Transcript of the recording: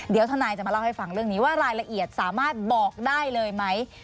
เดี๋ยวทนายจะมาเล่าให้ฟังเรื่องนี้ว่ารายละเอียดสามารถบอกได้เลยไหม